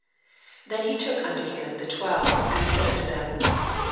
31 Then he took unto him the twelve, and said unto them.